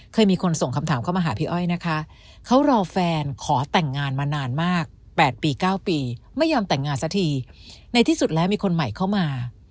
เคยมีคนส่งคำถามเข้ามาหาพี่อ้อยนะคะเขารอแฟนขอแต่งงานมานานมาก๘ปี๙ปีไม่ยอมแต่งงานสักทีในที่สุดแล้วมีคนใหม่เข้ามา